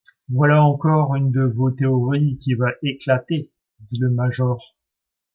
Voilà encore une de vos théories qui va éclater, dit le major.